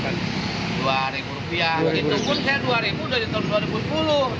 itu pun saya dua ribu dari tahun dua ribu sepuluh